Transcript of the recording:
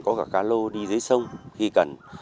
có cả cá lô đi dưới sông khi cần